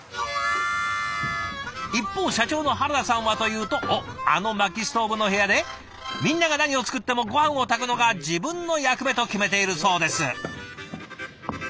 一方社長の原田さんはというとおっあのまきストーブの部屋でみんなが何を作ってもごはんを炊くのが自分の役目と決めているそうです。